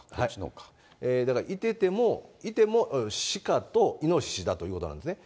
だからいても、シカとイノシシだということなんですね。